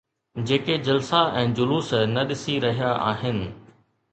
جيڪي جلسا ۽ جلوس نه ڏسي رهيا آهن؟